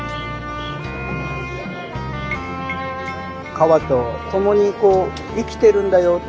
川と共に生きてるんだよって